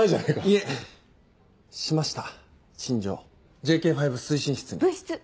いえしました陳情ＪＫ５推進室に。